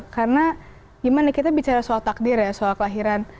karena gimana kita bicara soal takdir ya soal kelahiran